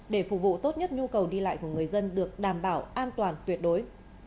để phục vụ tốt nhất nhu cầu đi lại của người dân được đảm bảo an toàn tuyệt đối